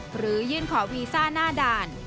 หรือยื่นขอวีซ่าหน้าด่าน